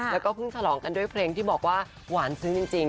แล้วก็เพิ่งฉลองกันด้วยเพลงที่บอกว่าหวานซึ้งจริง